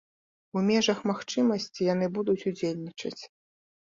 У межах магчымасці яны будуць удзельнічаць.